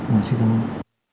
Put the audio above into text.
dạ xin cảm ơn